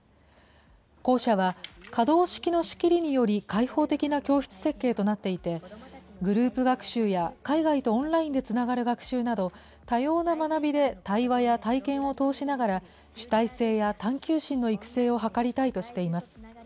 校舎は、可動式の仕切りにより開放的な教室設計となっていて、グループ学習や海外とオンラインでつながる学習など、多様な学びで対話や体験を通しながら、主体性や探究心の育成を図りたいとしています。